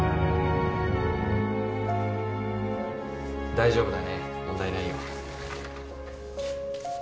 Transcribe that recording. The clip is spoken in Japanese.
大丈夫だね問題ないよ。